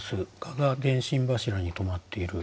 蛾が電信柱に止まっている。